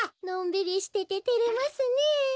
のんびりしてててれますねえ。